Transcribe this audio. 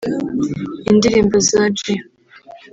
Indirimbo za J